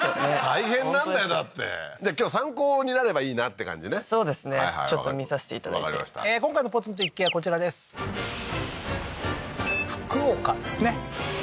大変なんだよだってじゃあ今日参考になればいいなって感じねそうですねちょっと見さしていただいて今回のポツンと一軒家こちらです福岡ですね